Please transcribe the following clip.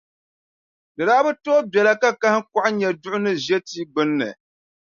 Di daa bi tooi biɛla ka kahiŋkɔɣu nya duɣu ni ʒe tia gbunni,